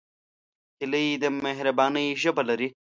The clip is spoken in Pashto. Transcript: هیلۍ د مهربانۍ ژبه لري